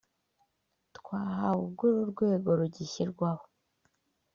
twahawe ubwo uru rwego rugishyirwaho